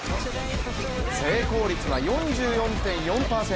成功率は４４．４％。